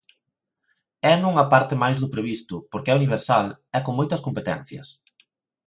É nunha parte máis do previsto, porque é universal e con moitas competencias.